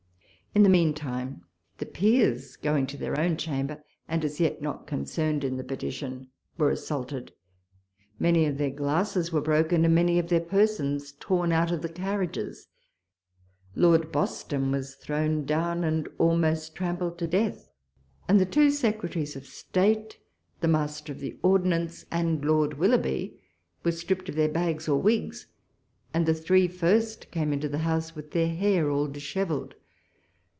In the mean time, the Peers, going to their own Chamber, and as yet not concerned in the petition, were assaulted ; many of their glasses were broken, and many of their persons torn out of the carriages. Lord Boston was thrown down and almost trampled to death ; and the two Secretaries of State, the Master of the Ord nance, and Lord Willoughby were stripped of their bags or wigs, and the three first came into the House with their hair all dishevelled.